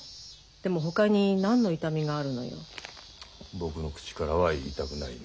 僕の口からは言いたくないね。